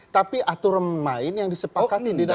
tapi atur main yang disepakati